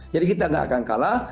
jadi kita gak akan kalah